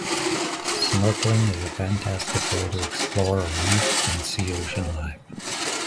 Snorkeling is a fantastic way to explore a reef and see ocean life.